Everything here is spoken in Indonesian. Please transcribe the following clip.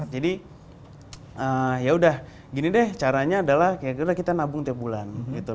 jadi yaudah gini deh caranya adalah kita nabung tiap bulan gitu